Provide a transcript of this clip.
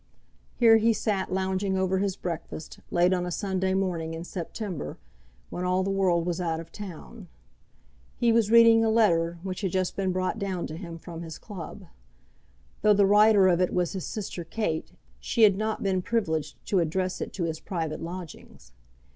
Here he sat lounging over his breakfast, late on a Sunday morning in September, when all the world was out of town. He was reading a letter which had just been brought down to him from his club. Though the writer of it was his sister Kate, she had not been privileged to address it to his private lodgings.